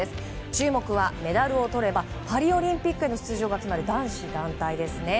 注目はメダルをとればパリオリンピックに出場が決まる男子団体ですね。